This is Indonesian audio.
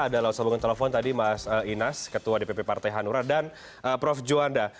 ada langsung menguncang telepon tadi mas inas ketua dpp partai hanura dan prof juanda